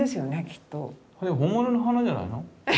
これ本物の花じゃないの？